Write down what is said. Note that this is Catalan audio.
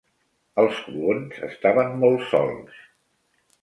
Els colons estaven molt sols.